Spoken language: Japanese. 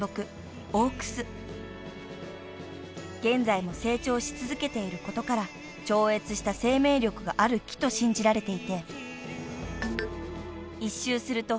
［現在も成長し続けていることから超越した生命力がある木と信じられていて］